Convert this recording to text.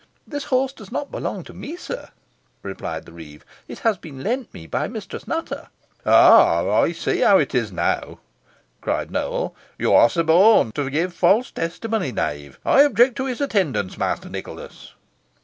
"This horse does not belong to me, sir," replied the reeve; "it has been lent me by Mistress Nutter." "Aha! I see how it is now," cried Nowell; "you are suborned to give false testimony, knave. I object to his attendance, Master Nicholas."